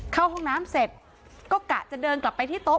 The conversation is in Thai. เข้าห้องน้ำเสร็จก็กะจะเดินกลับไปที่โต๊ะ